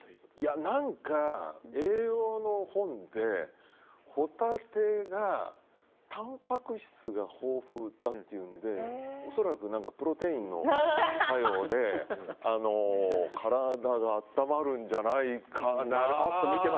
何か、栄養の本でホタテがタンパク質が豊富だっていうので恐らくプロテインの作用で体が温まるんじゃないかなって。